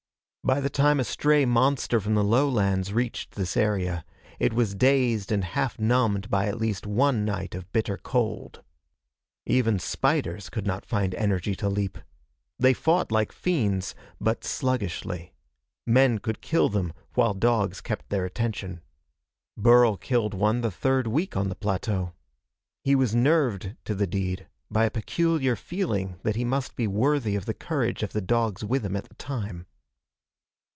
By the time a stray monster from the lowlands reached this area, it was dazed and half numbed by at least one night of bitter cold. Even spiders could not find energy to leap. They fought like fiends, but sluggishly. Men could kill them while dogs kept their attention. Burl killed one the third week on the plateau. He was nerved to the deed by a peculiar feeling that he must be worthy of the courage of the dogs with him at the time.